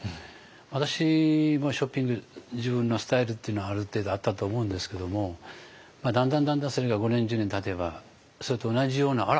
私もショッピング自分のスタイルっていうのはある程度あったと思うんですけどもだんだんだんだんそれが５年１０年たてばそれと同じようなあら？